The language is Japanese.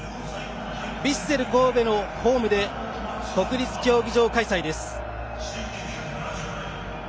ヴィッセル神戸のホームで国立競技場開催です。